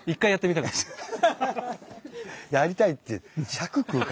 「やりたい」って。